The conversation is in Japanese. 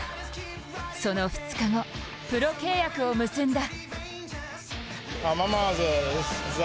その２日後、プロ契約を結んだ。